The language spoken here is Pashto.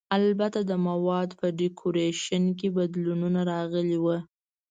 البته د موادو په ډیکورېشن کې بدلونونه راغلي ول.